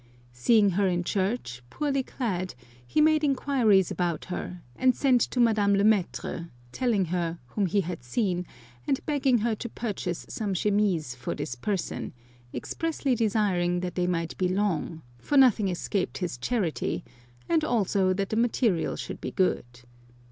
Seeing her in church, poorly clad, he made inquiries about her, and sent to Madame le Mattre, telling her whom he had seen, and begging her to purchase some chemises for this person, expressly desiring that they might be long, for nothing escaped his charity, and also that the material should be good.